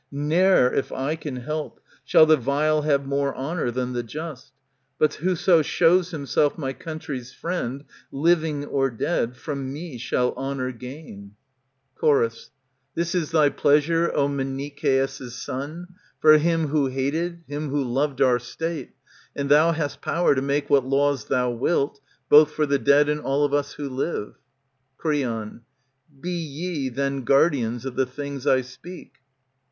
Ne'er, if I can help. Shall the vile have more honour than the just ; But whoso shows himself my country's friend, Living or dead, from me shall honour gain. 148 ANTIGONE Cho7\ This is thy pleasure, O Mencekeus* son, For him who hated, him who loved our State ; And thou hast power to make what laws thou wilt, Both for the dead and all of us who live. Creon. Be ye then guardians of the things I speak.